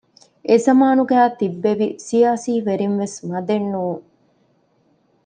އެޒަމާނުގައި ތިއްބެވި ސިޔާސީ ވެރިންވެސް މަދެއް ނޫން